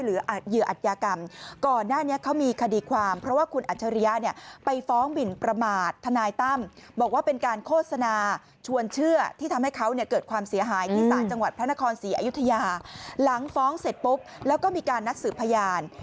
หลังฟ้องเสร็จปุ๊บและก็มีการนัดสื่อพยาน